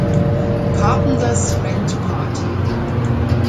Carpenter’s Rent Party“.